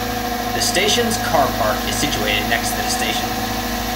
The station's car park is situated next to the station.